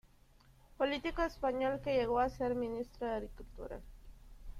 Político español que llegó a ser Ministro de Agricultura.